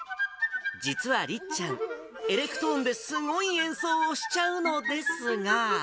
実はりっちゃん、エレクトーンですごい演奏をしちゃうのですが。